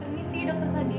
permisi dokter fadil